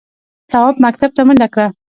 تواب مکتب ته منډه کړه.